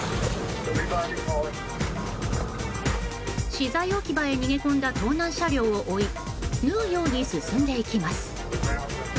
資材置き場へ逃げ込んだ盗難車両を追い縫うように進んでいきます。